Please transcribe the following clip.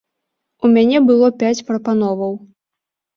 У мяне было пяць прапановаў.